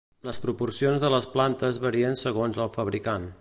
Les proporcions de les plantes varien segons el fabricant.